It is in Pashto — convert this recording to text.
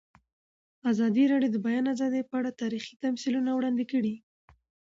ازادي راډیو د د بیان آزادي په اړه تاریخي تمثیلونه وړاندې کړي.